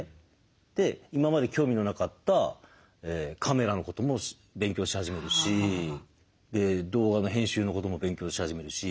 で今まで興味のなかったカメラのことも勉強し始めるし動画の編集のことも勉強し始めるし。